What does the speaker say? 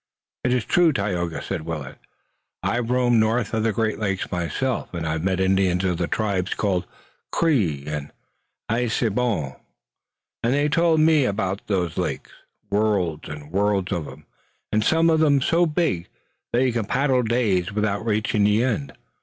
"It's true, Tayoga," said Willet. "I've roamed north of the Great Lakes myself, and I've met Indians of the tribes called Cree and Assiniboine, and they've told me about those lakes, worlds and worlds of 'em, and some of 'em so big that you can paddle days without reaching the end.